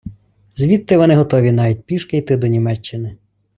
Звідти вони готові навіть пішки йти до Німеччини.